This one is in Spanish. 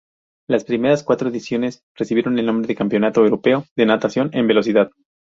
Las primeras cuatro ediciones recibieron el nombre de Campeonato Europeo de Natación en Velocidad.